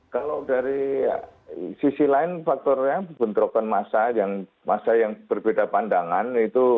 kalau dari sisi lain faktornya bentrokan masa yang berbeda pandangan itu